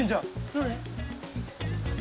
どれ？